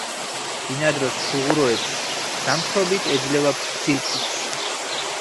ბინადრობს ფუღუროებში, ზამთრობით ეძლევა ძილქუშს.